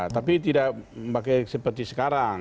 tapi tidak seperti sekarang